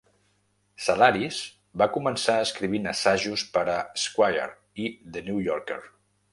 Sedaris va començar escrivint assajos per a "Esquire" i "The New Yorker".